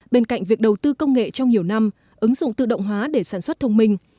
bên cạnh việc đầu tư công nghệ trong nhiều năm ứng dụng tự động hóa để sản xuất thông minh